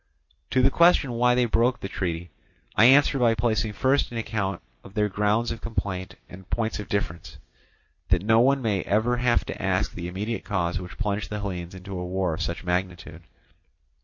To the question why they broke the treaty, I answer by placing first an account of their grounds of complaint and points of difference, that no one may ever have to ask the immediate cause which plunged the Hellenes into a war of such magnitude.